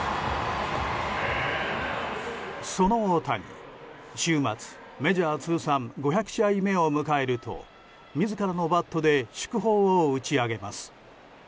その大谷、週末メジャー通算５００試合目を迎えると自らのバットで祝砲を打ち上げます。